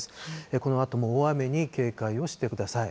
このあとも大雨に警戒をしてください。